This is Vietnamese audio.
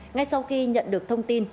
ngay sau khi nhận được thông tin